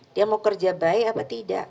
dia mau kerja baik apa tidak